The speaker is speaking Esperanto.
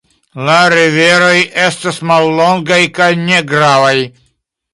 La riveroj estas mallongaj kaj ne gravaj.